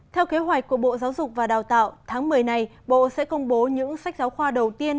theo kế hoạch của bộ giáo dục và đào tạo tháng một mươi này bộ sẽ công bố những sách giáo khoa đầu tiên